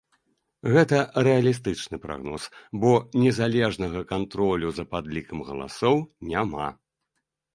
Гэта рэалістычны прагноз, бо незалежнага кантролю за падлікам галасоў няма.